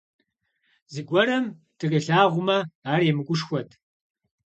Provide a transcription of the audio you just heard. Зыгуэрым дыкъилъагъумэ, ар емыкӀушхуэт.